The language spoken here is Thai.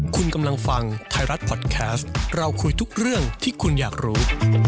คุณกำลังฟังไทยรัฐพอดแคสต์เราคุยทุกเรื่องที่คุณอยากรู้